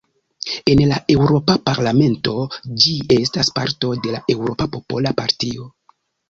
En la Eŭropa Parlamento ĝi estas parto de la Eŭropa Popola Partio.